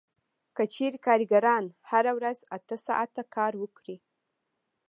که چېرې کارګران هره ورځ اته ساعته کار وکړي